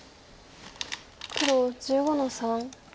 黒１５の三。